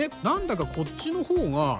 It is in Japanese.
何だかこっちのほうが。